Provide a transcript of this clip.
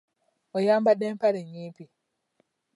Oyambadde mpale nnyimpi?